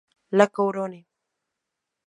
La Couronne